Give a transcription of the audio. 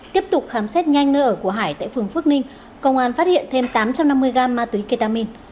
tiếp tục khám xét nhanh nơi ở của hải tại phường phước ninh công an phát hiện thêm tám trăm năm mươi gram ma túy ketamin